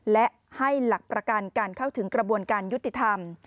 และให้หลักประกันการเข้าถึงกระบวนการยุติธรรม